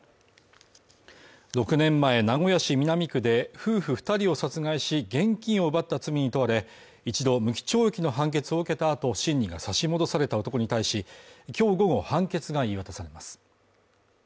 ６年前名古屋市南区で、夫婦２人を殺害し現金を奪った罪に問われ、一度無期懲役の判決を受けた後、審議が差し戻された男に対し、今日午後判決が言い渡されます。